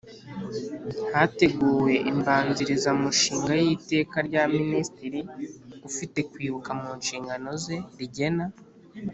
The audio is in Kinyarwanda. Hateguwe imbanzirizamushinga y Iteka rya Minisitiri ufite kwibuka mu nshingano ze rigena